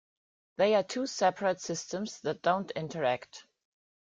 They are two separate systems that don't interact.